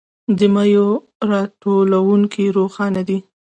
د میوو راتلونکی روښانه دی.